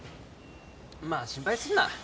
まあ心配すんな。